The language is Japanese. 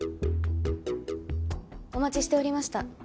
お待ちしておりました。